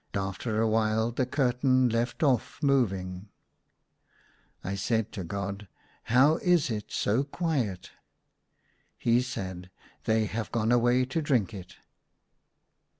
After a while the curtain left off moving. I said to God, " How is it so quiet .'*" He said, They have gone away to drink it."